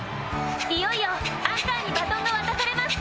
いよいよアンカーにバトンが渡されます